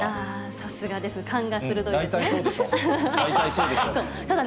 さすがです、勘が鋭いですね。